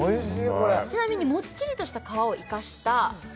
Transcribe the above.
これちなみにもっちりとした皮を生かした水餃子